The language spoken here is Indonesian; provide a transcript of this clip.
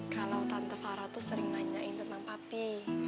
kalo tante farah tuh sering nanyain tentang papi